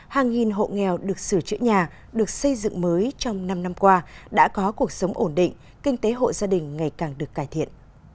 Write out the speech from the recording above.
hàng nghìn hộ nghèo được sửa chữa nhà được xây dựng mới trong năm năm qua đã có cuộc sống ổn định kinh tế hộ gia đình ngày càng được cải thiện